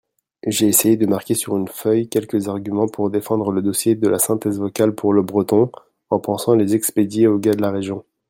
J'ai essayé de marquer sur une feuille quelques arguments pour défendre le dossier de la synthèse vocale pour le breton, en pensant les expédier aux gars de la Région.